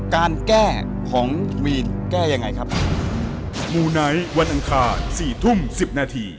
การแก้ของมีนแก้ยังไงครับ